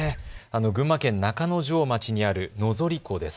群馬県中之条町にある野反湖です。